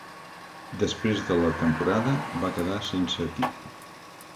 Després de la temporada, va quedar sense equip.